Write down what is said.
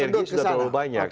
energi sudah terlalu banyak